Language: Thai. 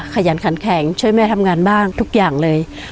ขยันขันแข็งช่วยแม่ทำงานบ้างทุกอย่างเลย